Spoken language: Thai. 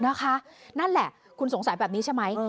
นั่นแหละคุณสงสัยแบบนี้ใช่ไหม